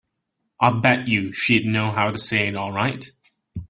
I bet you she'd know how to say it all right.